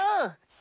あ！